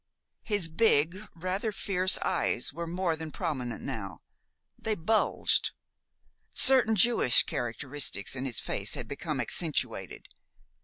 His big, rather fierce eyes were more than prominent now; they bulged. Certain Jewish characteristics in his face had become accentuated.